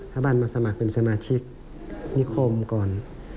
ถ้าบันมาสมัครเป็นสมาชิกนิคมก่อน